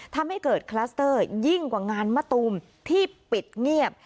ทำให้เกิดคลัสเตอร์ยิ่งกว่างานมะตูมที่ปิดเงียบ